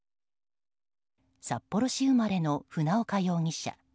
札幌市生まれの船岡容疑者。